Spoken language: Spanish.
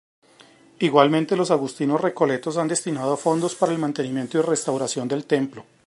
Igualmente, los Agustinos Recoletos han destinado fondos para el mantenimiento y restauración del templo.